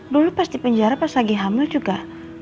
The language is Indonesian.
dulu pas di penjara pas lagi hamil juga